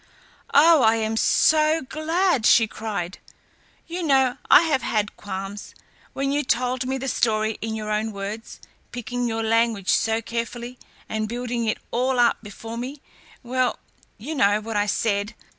"Oh! I am so glad," she cried. "You know, I have had qualms. When you told me the story in your own words, picking your language so carefully, and building it all up before me, well, you know what I said.